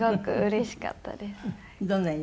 どんな犬？